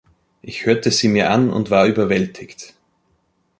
Ich hörte sie mir an und war überwältigt.